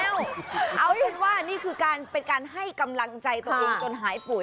เอาเป็นว่านี่คือการเป็นการให้กำลังใจตัวเองจนหายป่วย